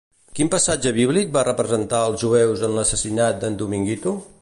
Quin passatge bíblic van representar els jueus en l'assassinat d'en Dominguito?